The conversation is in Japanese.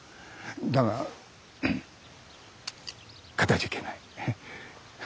だがかたじけない。